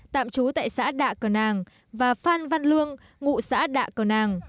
tạm trú tại xã đạ cờ nàng và phan văn lương ngụ xã đạ cờ nàng